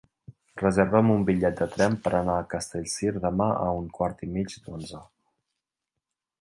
Reserva'm un bitllet de tren per anar a Castellcir demà a un quart i mig d'onze.